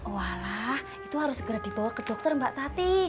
walah itu harus segera dibawa ke dokter mbak tati